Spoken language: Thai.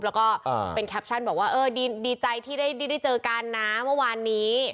แล้วก็เป็นแคปชั่นบอกว่าเออดีใจที่ได้เจอกันนะเมื่อวานนี้